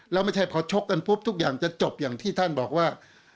แล้วไม่ใช่พอชกกันปุ๊บทุกอย่างจะจบอย่างที่ท่านบอกว่า